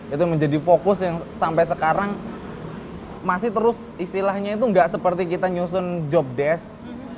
itu menjadi fokus yang sampai sekarang masih terus istilahnya itu nggak seperti kita nyusun job desk